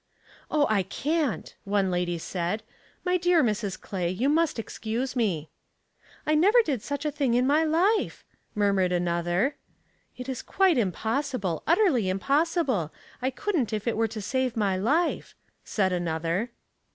" Oh, I can't," one lady said. " My dear Mrs. Clay, jou must excuse me.'* " I never did such a thing in my life," murmured an other. " It is quite impossible — utterly im possible. I couldn't if it were to save my life," said another.